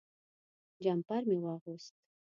جمپر مې واغوست.